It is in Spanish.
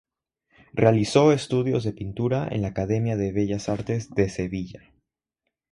Realizó estudios de pintura en la Academia de Bellas Artes de Sevilla.